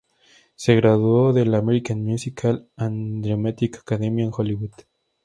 Se graduó del "American Musical and Dramatic Academy" en Hollywood.